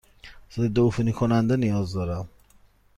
ضدعفونی کننده نیاز دارم.